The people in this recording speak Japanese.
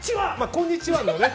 こんにちはのね。